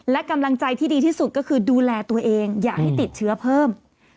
และกำลังใจที่ดีที่สุดก็คือดูแลตัวเองอย่าให้ติดเชื้อเพิ่ม